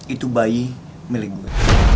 itu bayi milik gue